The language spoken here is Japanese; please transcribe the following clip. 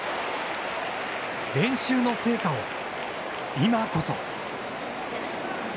練習の成果を今こそ。